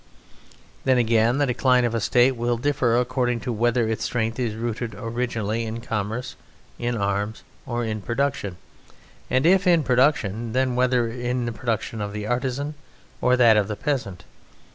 Then again, the decline of a State will differ according to whether its strength is rooted originally in commerce, in arms, or in production; and if in production, then whether in the production of the artisan or in that of the peasant.